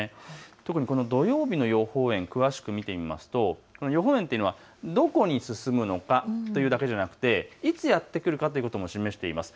特に土曜日の予報円を詳しく見てみますと、予報円というのはどこに進むのかというだけじゃなくていつやって来るかということも示しています。